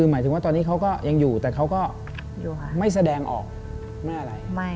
หมายถึงว่าตอนนี้เขาก็ยังอยู่แต่เขาก็ไม่แสดงออกไม่อะไร